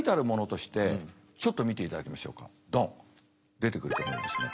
出てくると思うんですね。